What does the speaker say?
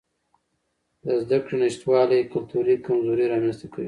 د زده کړې نشتوالی کلتوري کمزوري رامنځته کوي.